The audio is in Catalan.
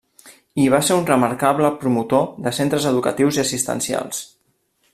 I va ser un remarcable promotor de centres educatius i assistencials.